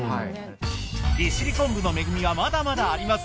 利尻昆布の恵みはまだまだあります。